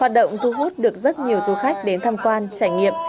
hoạt động thu hút được rất nhiều du khách đến tham quan trải nghiệm